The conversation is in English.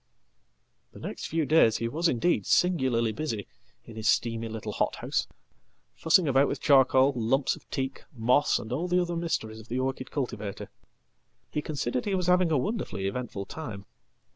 "The next few days he was indeed singularly busy in his steamy littlehothouse, fussing about with charcoal, lumps of teak, moss, and all theother mysteries of the orchid cultivator. He considered he was having awonderfully eventful time.